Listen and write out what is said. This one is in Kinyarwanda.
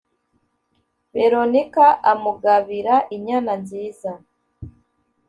veronika, amugabira inyana nziza